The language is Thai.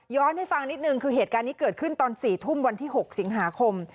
ให้ฟังนิดนึงคือเหตุการณ์นี้เกิดขึ้นตอน๔ทุ่มวันที่๖สิงหาคม